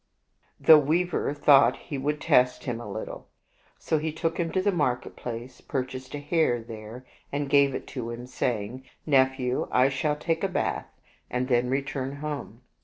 The weaver thought he would test him a little, so he took him to the market place, purchased a hare there, and gave it to him, saying, " Nephew, I shall take a bath and then re 169 OrkfUdl Mystery Stories turn home.